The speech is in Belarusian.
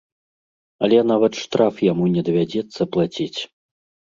Але нават штраф яму не давядзецца плаціць.